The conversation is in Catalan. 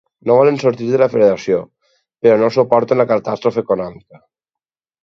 No volen sortir de la federació, però no suporten la catàstrofe econòmica.